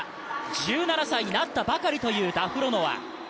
１７歳になったばかりというダフロノワ。